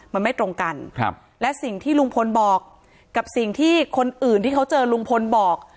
มันไม่ตรงกันและสิ่งที่ลุงพลบอกกับสิ่งที่คนอื่นที่เขาเจอลุงพลบอก